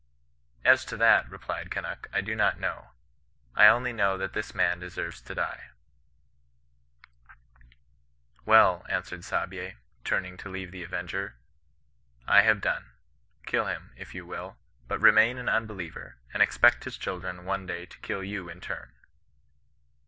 ' As to that,' replied Kunnuk, ' I do not know. I only know that this man deserves to die.' 'Well,' answered Saabye, turning to leave the avenger, ' I have done. Kill hun, if you will ; but remain an unbeliever, and expect his diildren one day to kill you in turn.'